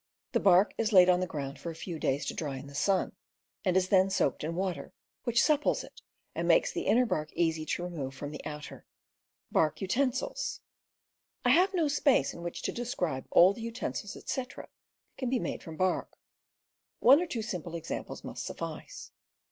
The bark is laid on the ground for a few days to dry in the sun, and is then soaked in water, which supples it and makes the inner bark easy to remove from the outer. I have no space in which to describe all the utensils, etc., that can be made from bark. One or two simple T> , examples must suffice.